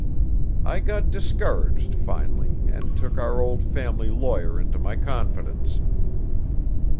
I got discouraged, finally, and took our old family lawyer into my confidence."